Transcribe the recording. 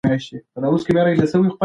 د میوند جګړه تر نورو کلکو وه.